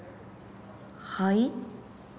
はい？